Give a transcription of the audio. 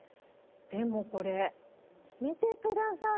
でも、これ見てください。